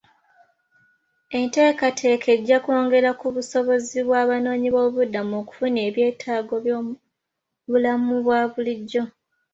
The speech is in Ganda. Enteekateeka ejja kwongera ku busobozi bw'abanoonyi boobuibudamu okufuna ebyetaago by'omu bulamu bwa bulijjo.